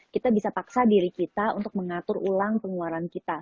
kita bisa paksa diri kita untuk mengatur ulang pengeluaran kita